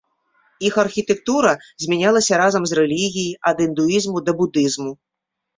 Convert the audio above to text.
Іх архітэктура змянялася разам з рэлігіяй, ад індуізму да будызму.